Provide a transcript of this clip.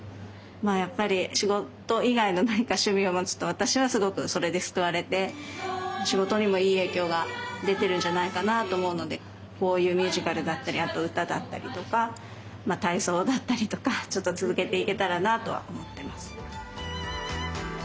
やっぱり仕事以外の何か趣味を持つと私はすごくそれで救われて仕事にもいい影響が出てるんじゃないかなと思うのでこういうミュージカルだったりあと歌だったりとか体操だったりとかちょっと続けていけたらなとは思ってます。